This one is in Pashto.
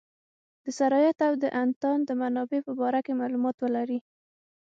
د سرایت او د انتان د منابع په باره کې معلومات ولري.